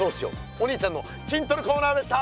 お兄ちゃんの筋トレコーナーでした。